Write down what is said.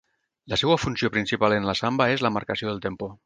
La seua funció principal en la samba és la marcació del tempo.